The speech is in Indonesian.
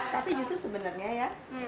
tapi justru sebenernya ya